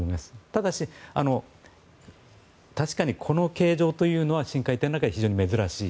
ただし、確かにこの形状というのは深海艇の中では非常に珍しい。